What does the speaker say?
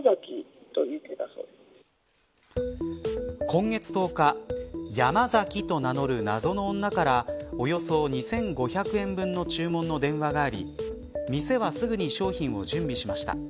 今月１０日ヤマザキと名乗る、謎の女からおよそ２５００円分の注文の電話があり店はすぐに商品を準備しました。